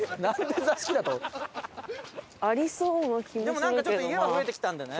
でもなんかちょっと家は増えてきたんだよね。